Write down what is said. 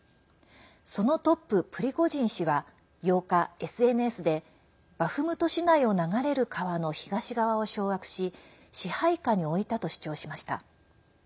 そのトップ、プリゴジン氏は８日ＳＮＳでバフムト市内を流れる川の東側を掌握し支配下に置いたと主張しました。